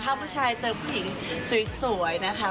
ถ้าผู้ชายเจอผู้หญิงสวยนะคะ